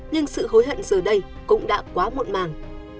nhưng sự hối hận giờ đây cũng đã quá muộn màng